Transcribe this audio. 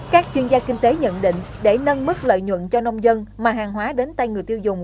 các chuyên gia kinh tế nhận định để nâng mức lợi nhuận cho nông dân mà hàng hóa đến tay người tiêu dùng